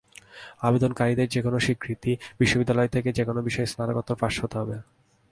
আবেদনকারীদের যেকোনো স্বীকৃত বিশ্ববিদ্যালয় থেকে যেকোনো বিষয়ে স্নাতকোত্তর পাস হতে হবে।